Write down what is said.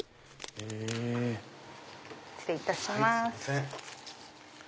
失礼いたします。